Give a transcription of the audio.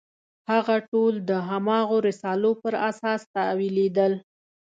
هغه ټول د هماغو رسالو پر اساس تاویلېدل.